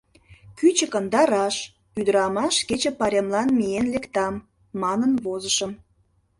Кӱчыкын да раш: «Ӱдырамаш кече пайремлан миен лектам», — манын возышым.